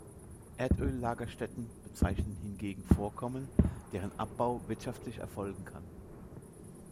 Erdöllagerstätten bezeichnen hingegen Vorkommen, deren Abbau wirtschaftlich erfolgen kann.